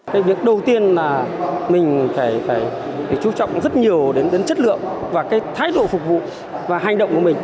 cái việc đầu tiên là mình phải chú trọng rất nhiều đến chất lượng và cái thái độ phục vụ và hành động của mình